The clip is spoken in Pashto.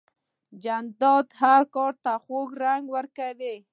جانداد هر کار ته خوږ رنګ ورکوي.